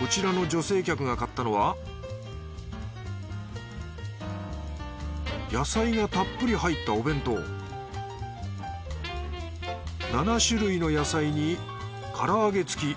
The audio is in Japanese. こちらの女性客が買ったのは野菜がたっぷり入ったお弁当７種類の野菜にから揚げつき。